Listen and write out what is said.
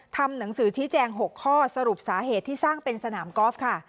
ทำหนังสือชี้แจง๖ข้อสรุปสาเหตุที่สร้างเป็นสนามกอล์ฟค่ะ